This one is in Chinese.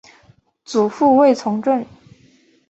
祖父卫从政。